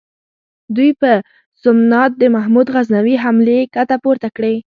دوی په سومنات د محمود غزنوي حملې کته پورته کړې.